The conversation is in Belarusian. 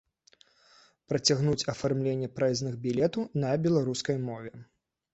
Працягнуць афармленне праязных білетаў на беларускай мове.